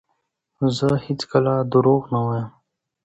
زه هیڅکله درواغ نه وایم.